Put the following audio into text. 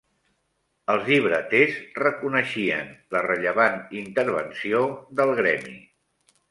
Els llibreters reconeixien la rellevant intervenció del gremi.